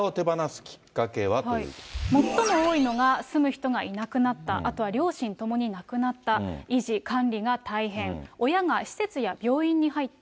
じゃあ、最も多いのが住む人がいなくなった、あとは両親ともに亡くなった、維持・管理が大変、親が施設や病院に入った。